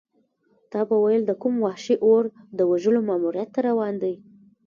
تا به ویل د کوم وحشي اور د وژلو ماموریت ته روان دی.